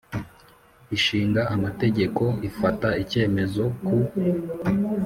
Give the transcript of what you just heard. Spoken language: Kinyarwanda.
Ishinga Amategeko ifata icyemezo ku